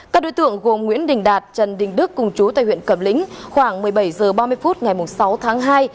các đối tượng gồm nguyễn đình đạt trần đình đức cùng chú tại huyện cẩm lĩnh khoảng một mươi bảy h ba mươi phút ngày sáu tháng hai